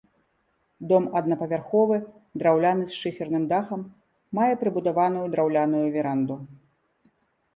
Дом аднапавярховы, драўляны з шыферным дахам, мае прыбудаваную драўляную веранду.